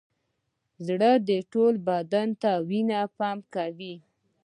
زړه ټول بدن ته وینه پمپ کوي